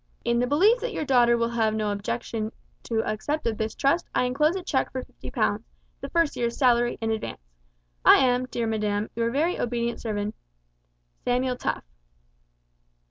In the belief that your daughter will have no objection to accept of this trust I enclose a cheque for 50 pounds the first year's salary in advance. I am, dear madam, your very obedient servant, "Samuel Tough."